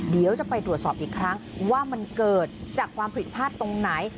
เดี๋ยวจะไปตรวจสอบอีกครั้งว่ามันเกิดจากความผิดพลาดตรงไหน